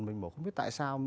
mình bảo không biết tại sao